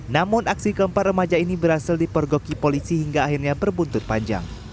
namun aksi keempat remaja ini berhasil dipergoki polisi hingga akhirnya berbuntut panjang